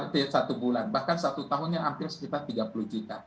satu bulan bahkan satu tahunnya hampir sekitar tiga puluh juta